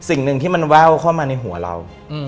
สิ่งหนึ่งที่มันแว่วเข้ามาในหัวเรา